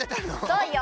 そうよ